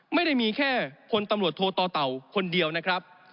ไม่ได้มีแค่พลตำรวจโทต่อเต่าคนเดียวนะครับ